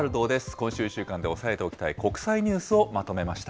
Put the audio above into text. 今週１週間で押さえておきたい国際ニュースをまとめました。